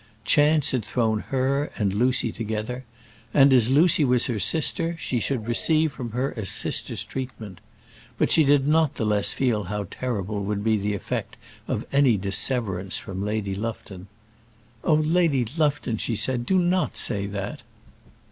Chance had thrown her and Lucy together, and, as Lucy was her sister, she should receive from her a sister's treatment. But she did not the less feel how terrible would be the effect of any disseverance from Lady Lufton. "Oh, Lady Lufton," she said, "do not say that."